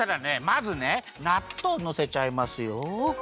まずねなっとうのせちゃいますよ。